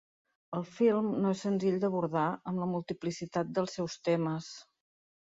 El film no és senzill d’abordar amb la multiplicitat dels seus temes.